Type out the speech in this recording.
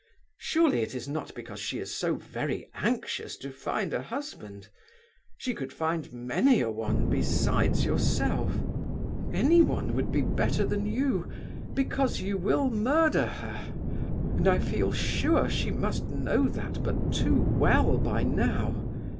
Surely it is not because she is so very anxious to find a husband? She could find many a one besides yourself. Anyone would be better than you, because you will murder her, and I feel sure she must know that but too well by now.